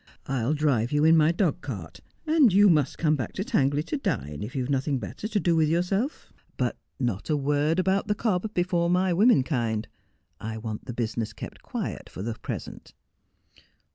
' I'll drive you in my dog cart, and you must come back to Tangley to dine, if you have nothing better to do with yourself. But not a word about the cob before my women kind. I want the business kept quiet for the 1 >resent.'